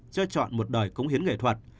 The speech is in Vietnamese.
cho chọn một đời cống hiến nghệ thuật